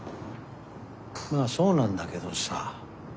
まぁそうなんだけどさ。